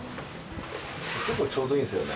結構ちょうどいいんすよね。